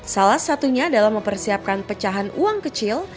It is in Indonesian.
salah satunya dalam mempersiapkan pecahan uang kecil